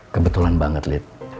kebetulan banget lid